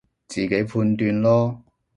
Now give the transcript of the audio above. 自己判斷囉